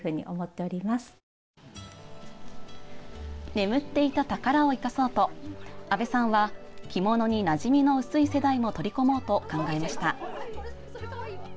眠っていた宝を生かそうと阿部さんは着物になじみの薄い世代も取り込もうと考えました。